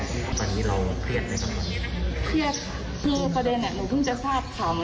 ที่วันนี้เราเครียดมั้ยครับ